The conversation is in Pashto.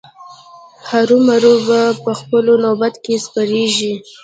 هرو مرو به په خپل نوبت کې سپریږي.